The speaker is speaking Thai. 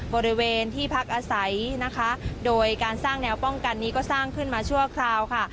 บริเวณที่พักอาศัยนะคะโดยการสร้างแนวป้องกันนี้ก็สร้างขึ้นมาชั่วคราวค่ะ